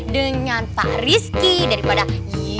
dengan pak rizky daripada